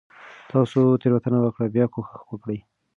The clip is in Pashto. تاسو تيروتنه وکړه . بيا کوشش وکړه